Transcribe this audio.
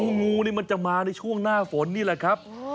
งูนี่มันจะมาในช่วงหน้าฝนนี่แหละครับ